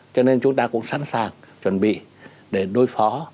cho nên chúng ta cũng sẵn sàng chuẩn bị để đối phó